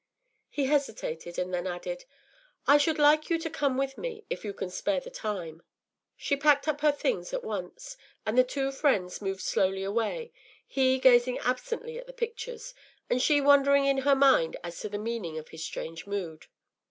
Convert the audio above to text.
” He hesitated, and then added, “I should like you to come with me, if you can spare the time.” She packed up her things at once, and the two friends moved slowly away, he gazing absently at the pictures, and she wondering in her mind as to the meaning of his strange mood.